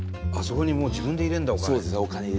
あそこにもう自分で入れるんだお金。